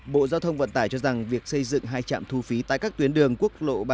bộ giao thông vận tải cho rằng việc xây dựng hai trạm thu phí tại các tuyến đường quốc lộ ba mươi